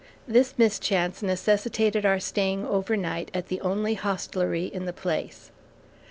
This mischance necessitated our staying overnight at the only hostelry in the place.